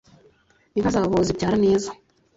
inka zabo zibyara neza